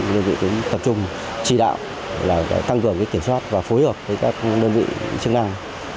đơn vị tổ chung chỉ đạo là tăng cường kiểm soát và phối hợp với các đơn vị chức năng